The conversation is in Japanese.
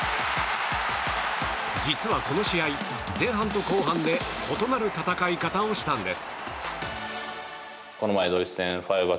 実は、この試合前半と後半で異なる戦い方をしたんです。